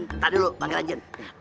ntar dulu pangeran jin